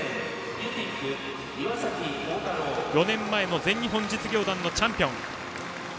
岩崎浩太郎は、４年前の全日本実業団のチャンピオン。